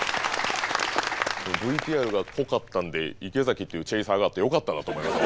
ＶＴＲが濃かったんで池崎っていうチェーサーがあってよかったなと思いました